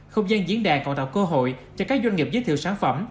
không gian diễn đàn còn tạo cơ hội cho các doanh nghiệp giới thiệu sản phẩm